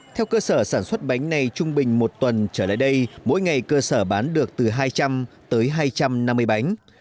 theo cơ sở sản xuất bánh này trung bình một tuần trở lại đây mỗi ngày cơ sở bán được từ hai trăm linh tới hai trăm năm mươi bánh